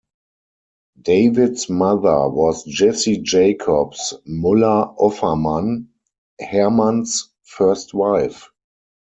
David's mother was Jessie Jacobs Muller Offermann, Hermann's first wife.